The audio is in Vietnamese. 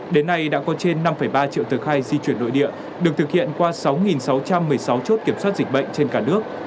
đến nay đã có trên năm ba triệu tờ khai di chuyển nội địa được thực hiện qua sáu sáu trăm một mươi sáu chốt kiểm soát dịch bệnh trên cả nước